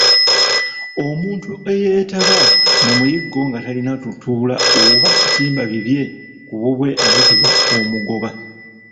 Omuntu eyeetaba mu muyiggo nga talina lutuula oba kitimba bibye ku bubwe ayitibwa omugoba.